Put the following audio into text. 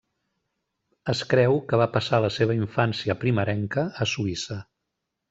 Es creu que va passar la seva infància primerenca a Suïssa.